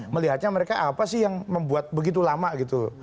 melihatnya mereka apa sih yang membuat begitu lama gitu